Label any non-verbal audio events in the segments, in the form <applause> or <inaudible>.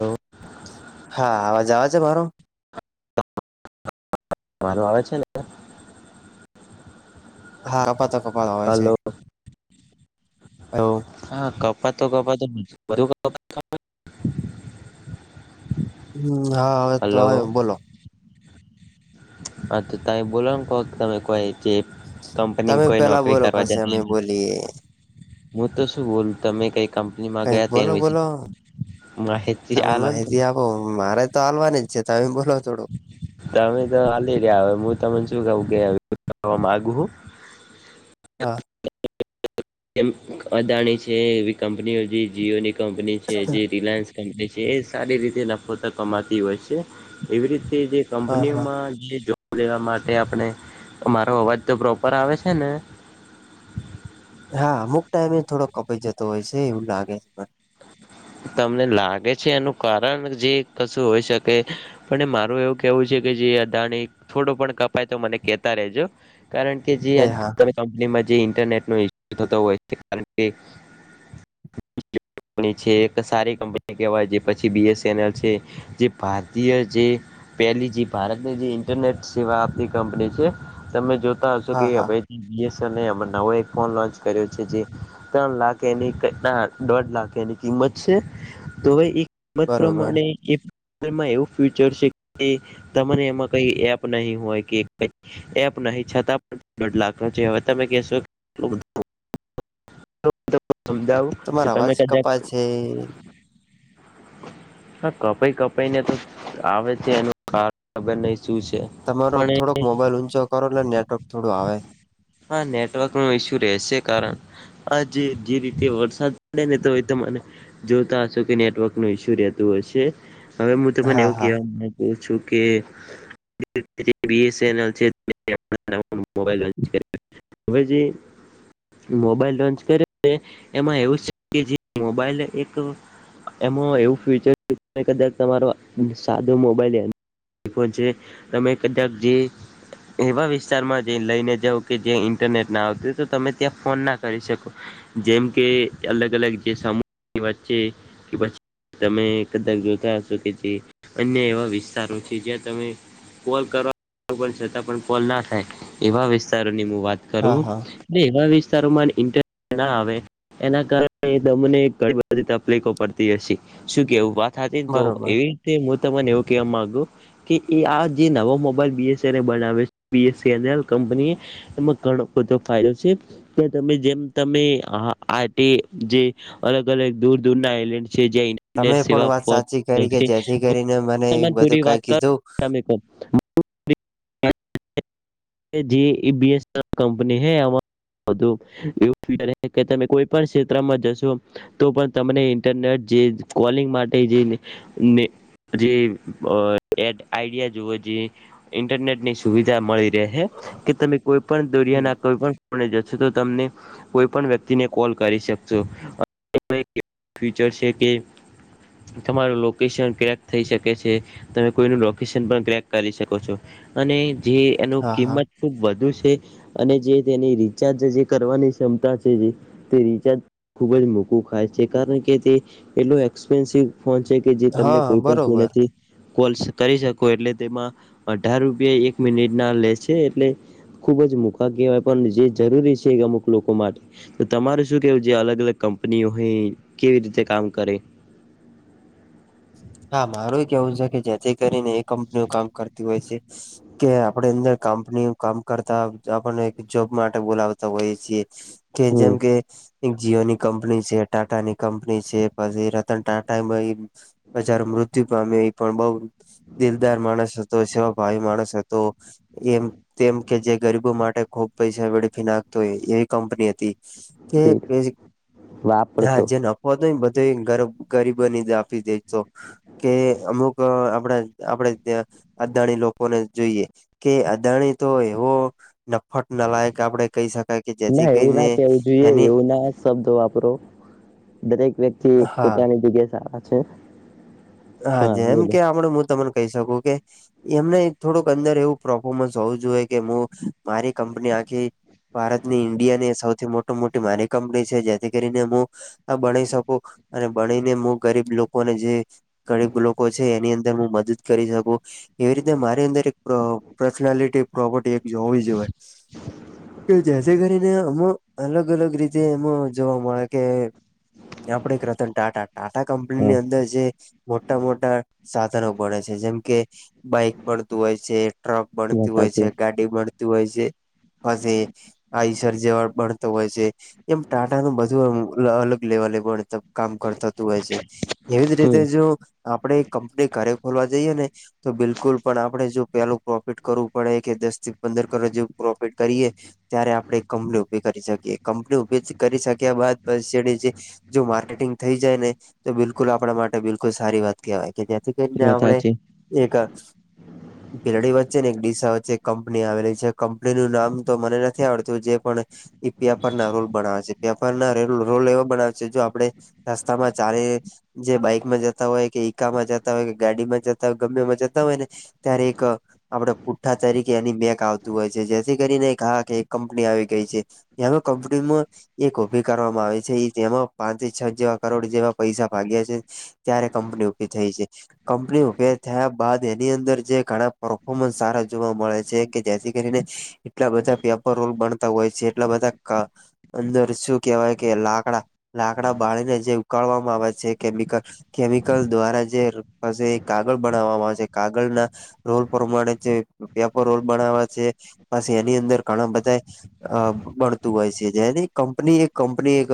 Hello હા આવાજ આવે જે મારો? મારો આવે છે ને? હા. <unintelligible> છે હલો હા કપાતો કપાતો બધું હમ હા હવે તો હલો આયો બોલો હા તો ત એ બોલો ને ક તમે કોઈ જે કંપની તમે કોઈ પેલા નોકરી બોલો કરવા જ પછી અમે બોલીએ હું તો શું બોલુ? તમે કઈક કંપનીમાં કઈક ગયા તેન બોલો વિશે બોલો માહિતી આલ ઓ મારે તો હાલવાની જ છે તમે બોલો થોડું તમે તો હાલી ગયા હવે હું તમને શું. <unintelligible> હા એમ અદાણી છે એવી કંપનીઓ જે જીઓની કંપની છે જે રિલાયન્સ એ સારી રીતે નફોત કમાતી હોય છે એવી રીતે જે હા હા કંપનીઓમાં જે જોબ લેવા માટે આપણે મારો અવાજ તો પ્રોપર આવે છે ને? હા અમુક ટાઈમે થોડો કપાઈ જતો હોય છે એવું લાગે છે મ તમને લાગે છે એનું કારણ જે કશું હોય શકે? પણ મારું એવું કેવું છે કે જે અદાણી થોડું પણ કપાય તો મને કેતા રેજો કારણ કે જે એ આજલ ત હા કંપનીમાં જે ઇન્ટરનેટનો ઇસ્યુ થતો હોય છે કારણ કે કંપની છે સારી કપની કેવાય પછી બીએસએનએલ છે જે ભારતીય જે પેલી જે ભારતની જે ઇન્ટરનેટ સેવા આપતી કંપની છે તમે જોતા હશો કે હા હ હા <unintelligible> નવો એક ફોન લોન્ચ કર્યો છે, જે ત્રણ લાખ એની ના દોઢ લાખ એની કિંમત છે, તોવે એ કિંમત બરોબર પ્રમાણે એ એવું ફ્યુચર છે, કે તમારે એમાં કઈ એપ નહી હોય કે એપ નહી છતાં પણ દોઢ લખ ન છે, હવે તમે કેશો સમજાવું કે તમે કદાચ એ હા કપાઈ કપાઈ ને તો આવે છે, એનું ખબર નહી શું છે. તમારો પણ એ થોડોક મોબાઈલ ઊંચો કરો એટલે નેટવર્ક થોડું આવે હા નેટવર્કનો ઈશ્યુ રહેશે કારણ આજે જે રીતે વરસાદ પડે ને તો એતો મને જોતા હશો કે નેટવર્કનું ઈશ્યુ રેતું હશે હવે મુ તમને હા એવું હા કેવા ગુ છું કે <unintelligible> એનલ છે <unintelligible> હવે જે મોબાઈલ લોન્ચ કર્યો છે, એમાં એવું કે જે મોબાઈલ એક એમાં એવું ફ્યુચર કદાચ તમારો સાદો મોબાઈલ આઈફોન છે, તમે કદાક જે એવા વિસ્તારમાં જ લઈને જવ કે જ્યા ઇન્ટરનેટના આવતું તો તમે ત્યાં ફોનના કરી શકો જેમ કે અલગ અલગ જે સમૂહની વચ્ચે કે પ તમે કદાચ જોતા હશો કે જે અન્ય એવા વિસ્તારો છે, જ્યાં તમે કોલ કરવા છતાં પણ કોલ ના થાય એવા વિસ્તારોની મુ વાત કરુ હા હા ને એવા વિસ્તારોમાં ઇન્ટનેટ ના આવે એના કારણે તમને ઘણી બધી તકલીફો પડતી હશે શું કે એ વાત હતી ને તો બરોબર એવી તે મુ તમન એવુ કેવા માગું કે એ આ જે નવા મોબાઈલ બીએસન એલ બનાવે બીએસનલ કંપની એમાં ઘણો બધો ફાયદો છે. કે તમે જેમ તમે આ આ તે જે અલગ અલગ દૂર દૂરના આઇલેન્ડ છે, જે તમે પણ વાત સાચી કરી કે જેથી કરીને મને બધું કઈ કીધું <unintelligible> <inaudible> કે જી ઈ બીએસ કંપની હૈ અમ એવું કે તમે કોઈ પણ ક્ષેત્રમાં જશો તો પણ તમને ઇન્ટરનેટ જે કોલિંગ માટે જે ને જે અ એડ આઈડિયા જુઓ જે ઇન્ટરનેટની સુવિધા મળી રેહે કે તમે કોય પણ હમ દુનિયાના કોઈ પણ ખૂળે જશો તો તમને કોઈ પણ વ્યક્તિને કોલ કરી શકશો <unintelligible> ફ્યુચર છે, કે તમારું લોકેશન ક્રેક થઈ શકે છે, તમે કોઈનું લોકેશન પણ ક્રેક કરી શકો છો અને જે એનો હા હા કિંમત ખુબ વધુ છે, અને જે તેની રિચાર્જ જે કરવાની ક્ષમતા છે, જે તે રિચાર્જ ખુબ જ મોધુ ખાય છે, કારણ કે તે એટલો એક્સપેન્સિવ ફોન છે. કે જે તને હા કોઈ પણ બરોબર ખૂણેથી કોલ કરી શકો એટલે તેમાં અઢાર રૂપિયા એક મિનિટના લે છે, એટલે ખુબ જ મુખ કેવાય પણ જે જરૂરી છે, એક અમુક લોકો મા તો તમારે શું કેવું જે અલગ અલગ કંપનીઓ હે કેવી રીતે કામ કરે? હા મારું કેવું છે, કે જેથી કરીને એ કંપનીઓ કામ કરતી હોય છે. કે આપડે અંદર કંપની કામ કરતા આપને એક જોબ માટે બોલાવતા હોઈ છીએ. કે જેમ કે હમ એક જીઓ ની કંપની છે, ટાટા ની કંપની છે, પછી રતન ટાટા એ બચારો મૃત્યુ પામ્યો એ પણ બહું દિલદાર માણસ હતો, સેવાભાવી માણસ હતો. એમ તેમ કે જે ગરીબો માટે ખુબ પૈસા વેડફી નાખતો એવી કંપની હતી. કે જે હા, વાપરતો જે હો તો બધે ગરીબો ની આપી દે. કે અમુક આપણા આપણે અદાણી લોકોને જોઈએ. કે અદાણી તો એવો નફટ નલાયક આપણે કહી શકાય કે જેથી ના એવું કરીને ના કહેવું જોઈએ એની એવું ના શબ્દ વાપરો દરેક વ્યક્તિ હા પોતાની જગ્યા સારા છે. હા જેમ કે આપડે હું તમને કહી શકું કે એમને થોડુંક અંદર એવું પરફોર્મન્સ હોવું જોઈએ કે હું મારી કંપની આખી ભારતની ઈન્ડિયા ની સૌથી મોટ મોટી મારી કંપની છે જેથી કરીને મુ આ બણી શકું અને બણીને હું ગરીબ લોકોને જે ગરીબ લોકો છે એની અંદર હું મદદ કરી શકું એવી રીતે મારી અંદર એક પર્સનાલિટી પ્રોપર્ટી એક હોવી જોઈએ કે જેથી કરીને અમુ અલગ અલગ રીતે એમ જોવા મળે કે આપડે એક રતન ટાટા ટાટા હા કંપનીની અંદર જે મોટા મોટા સાધનો બને છે જેમ કે બાઈક પળતું હોય છે ટ્રક વાત પળતું હોય છે સાચી ગાડી પળતું હોય છે <unintelligible> આઈસર જેવા ભણતો હોય છે એમ ટાટાનું બધું અલગ લેવલે ભણત કામ કરતાતું હોય છે એવી જ હમ રીતે જો આપણેે કંપની ઘરે ખોલવા જઈએ ને તો બિલકુલ પણ આપડણે જો પેલું પ્રોફિટ કરવું પડે કે દસ થી પંદર કરોડ જેવું પ્રોફિટ કરીએ ત્યારે આપણે કંપની ઉભી કરી શકીએ કંપની ઉભી કરી શક્યા બાદ પછી જે જો માર્કેટિંગ થઈ જાય ને તો બિલકુલ આપણા માટે સારી વાત કહેવાય કે જેથી કરીને વાત આપણે સાચી એક પીલાડી વચ્ચે ને એક ડીસા વચ્ચે કંપની આવેલી છે કંપની નું નામ તો મને નથી આવડતું જે પણ ઈપિયા પર ના રોલ બનાવે છે રોલ એવો બનાવે છે જો આપડે રસ્તામાં ચારે જે બાઈકમાં જ તા હોય કે એકઈકામાં જતા હોય કે ગાડીમાં જતા હોય ગમેમાં જતા હોય ને ત્યારે એક આપડે પુઠ્ઠા તરીકે એની બેક આવતું હોય છે જેથી કરીને એક હા કે એક કંપની આવી ગઈ છે. એમાં કંપનીમાં એક ઉભી કરવામાં આવે છે એ જેમાં પાંચથી છ જેવા કરોડ જેવા પૈસા ભાગ્યા છે ત્યારે કંપની ઉભી થઈ છે. કંપની ઉભે થયા બાદ એની અંદર જે ઘણા પરફોર્મન્સ સારા જોવા મળે છે કે જેથી કરીને એટલા બધા પેપર રોલ બનતા હોય છે એટલા બધા અંદર શું કેવાય કે લાકડા લાકડા બાણીને જે ઉકાળવામાં આવે છે કેમિકલ કેમિકલ દ્વારા જેશે એ કાગળ બનાવવામાં આવેશે કાગળના રોલ પ્રમાણે છે પેપર રોલ બનાવે છે પછી એની અંદર ઘણા બધા અ બણતું હોય છે જેની કંપની એક કંપની એક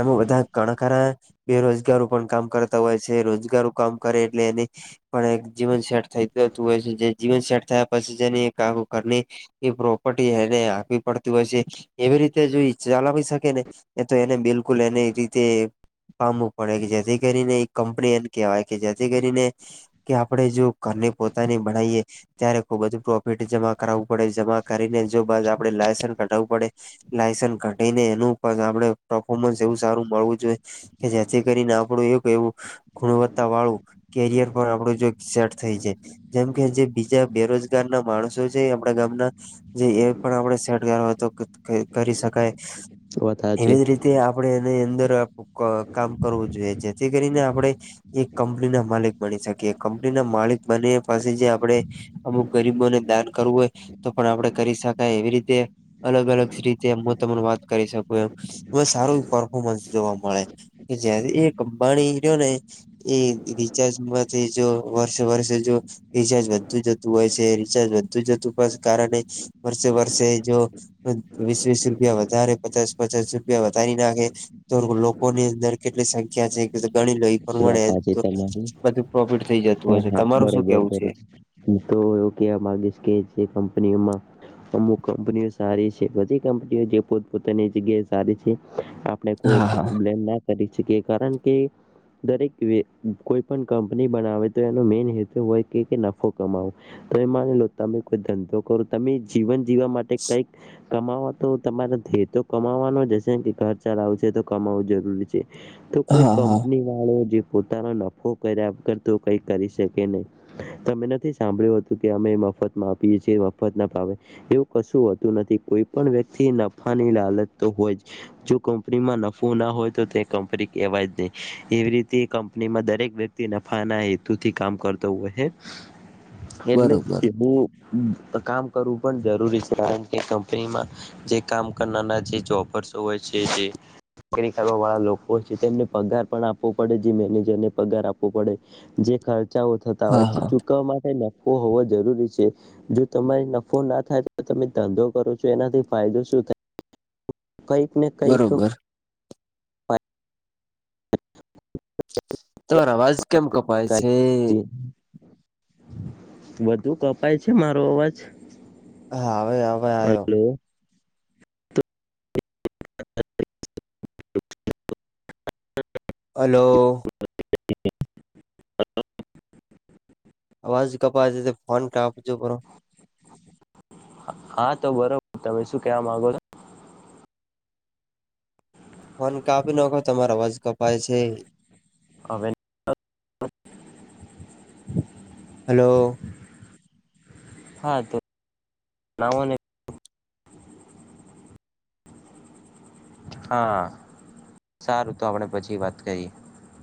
એમાં બધા કણાકાર બેરોજગાર પણ કામ કરતા હોય છે રોજગારો કામ કરે એટલે એને પણ એક જીવન સેટ થઈ જતું હોય છે જે જીવન સેટ થયા પછી જેની એક ઘરની એ પ્રોપર્ટી એને આપવી પડતી હોય છે. એવી રીતે જો ચલાવી શકે ને એ તો એને બિલકુલ એને એ રીતે પામવું પડે કે જેથી કરીને એક કંપની એમ કેહેવાય કે જેથી કરીને કે આપણે જો ઘરને પોતાની બનાવીએ ત્યારે ખુબ જ પ્રોફિટ જમા કરાવું પડે જમા કરીને જો બાર આપડે લાયસન્સ કઢાવવું પડે લાયસન કાઢીને એનું પણ આપડે પરફોર્મન્સ એવું સારુ મળવું જોઈએ કે જેથી કરીને થોડુ એક એવું ગુણવત્તા વાળું કેરિયર પણ આપણું જક સેટ થઈ જાય. જેમ કે જે બીજા બેરોજગાર ના માણસો છે આપડણા ગામના જે એ પણ આપણે સેટગ તો કરી સકાય. વાત સાચી એવી જ રીતે તે આપણે એની અંદર ક કામ કરવુ જોઈએ. જેથી કરીને આપડણે એક કંપની ના માલિક બની શકીએ. કંપની ના માળિક બને પસી જે આપડે અમુક ગરીબોને દાન કરવું હોય તો પણ, આપડે કરી સકાય એવી રીતે અલગ-અલગ સીરીતે એ તને વાત કરી સકું એમ સારુ પરફોમન્સ જોવા મળે. જયારે એ કંબાણી રીયો ને એ રિચાર્જમાંથી જો વર્ષે-વર્ષે જો રિચાર્જ વધતું જતું હોય સે રિચાર્જ વધુ જતું બસ કારણે એ જ વર્ષે-વર્ષે જો વીસ-વીસ રૂપિયા વધારે પચાસ-પચાસ રૂપિયા વધારી નાખે તો લોકોની અંદર કેટલી સંખ્યા છે કે ઘણી લઈ વાત પ્રમણે સાચી તો તમારી બધુ પ્રોફિટ થઈ જતું હા હશે. હા તમારું શું બરોબર કેવું છે? બરોબર તો એયુ કેવા માગેશ કે જે કંપનીઓમાં અમુક કંપનીઓ સારી છે બધી કંપનીઓ જે પોત પોતાની જગ્યા સારી છે, આ ને કોઈક હા હા બ્લેમ ના કરી શકે કારણ કે દરેક એવી કોઈ પણ કંપની બનાવે તો એનો મેન હેતુ હોય કે નફો કમાવો. તો એ માની લો તમે કોઈ ધંધો કરો તમે જીવન જીવવા માટે કઈક કમાવવા તો તમારે ધ્યેય તો કમાવાનો જ હસે કે ઘર ચલાવું છે તો કમાવું જરૂરી છે. તો કોઈ હા હા કંપની વાળો જે પોતાનો નફો કર્યા કરતો કઈ કરી શકે નહી. તમે નથી સાભળ્યું તું કે અમે મફત માપીએ છીએ મફતના ભાવે. એવુ કશું હોતું નથી કોઈ પણ વ્યક્તિ નફાની લાલચ તો હો જ. જો કંપનીમાં નફો ના હોય તો તે કંપની કેવાય જ નઈ. એવી રીતે તે કંપનીમાં દરેક વ્યક્તિ નફાના હેતુથી કામ કરતો હોય હે. એટલે બરોબર એ બો કામ કરવું પણ જરૂરી છે કારણ કે, કંપનીમાં જે કામ કરનાર જે જોબર્સો હોય છે જે કેરી કરવા વાળા લોકો છે તેમને પગાર પણ આપો પડે, જે મેનેજરને પગાર આપવો પડે, જે ખર્ચાઓ થતા હોય હા જે હા ચૂકવવા માટે ઓ હોવો જરૂરી છે. જો તમારી નફો ના થાય તો તમે ધંધો કરો છો, એનાથી ફાયદો શું થાય? કઈક ને કંઈક બરોબર તોર અવાજ કેમ કપાય છે? વધુ કપાય છે. મારો અવાજ? હા હવે હવે આયો. Hello <inaudible> hello. <inaudible> અવાજ કપાય છે ફોન કાપજો બરો. હા, તો બરોબર. તમે શું કેવા માગો છો? ફોન કાપી નાખો તમારો અવાજ કપાય છે. અવે હલો. હા તો, નાઓને. હા, સારુ તો આપડણે પછી વાત કરીએ.